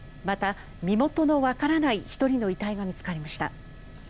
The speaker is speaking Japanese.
また、身元のわからない１人の遺体が見つかりました。